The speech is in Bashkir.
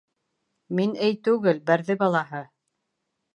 — Мин Эй түгел, Бәрҙе Балаһы.